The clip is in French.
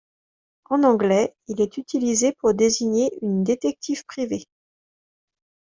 En anglais, il est utilisé pour désigner une détective privé.